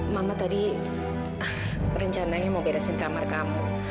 mama tadi rencananya mau beresin kamar kamu